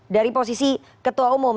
dari posisi ketua umum